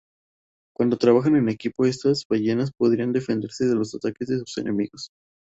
Cuando trabajaban en equipo, estas ballenas podían defenderse de los ataques de sus enemigos.